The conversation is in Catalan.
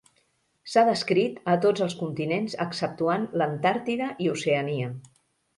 S'ha descrit a tots els continents exceptuant l'Antàrtida i Oceania.